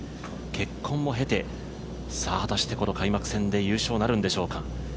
結婚も経て、この開幕戦で優勝なるんでしょうか。